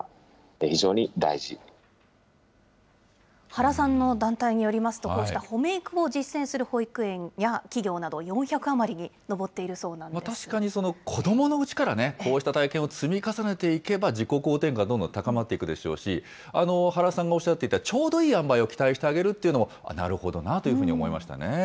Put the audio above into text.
原さんの団体によりますと、こうしたほめ育を実践する保育園や企業など４００余りに上ってい確かに、子どものうちからこうした体験を積み重ねていけば、自己肯定感、どんどん高まっていくでしょうし、原さんがおっしゃっていた、ちょうどいいあんばいを期待してあげるというのも、なるほどなというふうに思いました